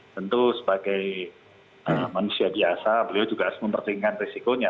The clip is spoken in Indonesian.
tentu sebagai manusia biasa beliau juga harus mempertimbangkan risikonya